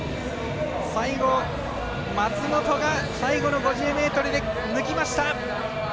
最後、松元が最後の５０ｍで抜きました。